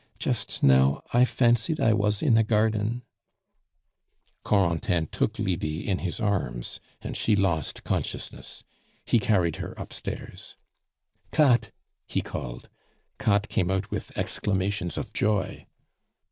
Just now I fancied I was in a garden " Corentin took Lydie in his arms, and she lost consciousness; he carried her upstairs. "Katt!" he called. Katt came out with exclamations of joy.